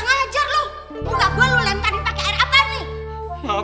kasian lu kurang ajar